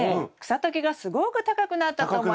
草丈がすごく高くなったと思います。